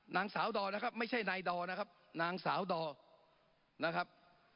นางสาวดอนะครับไม่ใช่นายดอนะครับนางสาวดอนะครับ